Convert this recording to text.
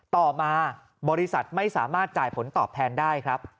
ต่อมาบริษัทไม่สามารถจ่ายผลตอบแทนได้ครับ